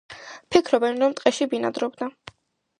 ფიქრობენ, რომ ტყეში ბინადრობდა.